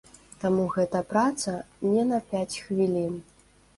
Таму гэта праца не на пяць хвілін.